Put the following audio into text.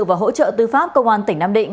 và hỗ trợ tư pháp công an tỉnh nam định